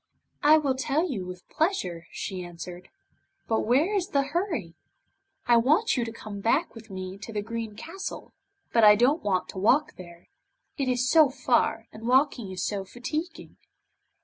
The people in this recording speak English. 'I will tell you with pleasure,' she answered, 'but where is the hurry? I want you to come back with me to the Green Castle, but I don't want to walk there, it is so far, and walking is so fatiguing.